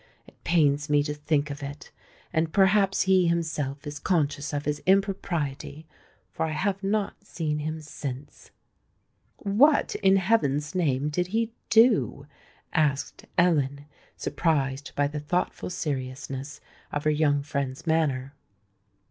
It pains me to think of it; and perhaps he himself is conscious of his impropriety, for I have not seen him since." "What, in heaven's name, did he do?" asked Ellen, surprised by the thoughtful seriousness of her young friend's manner.